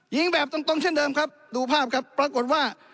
ยิงแบบตรงเช่นเดิมครับดูภาพครับปรากฏว่า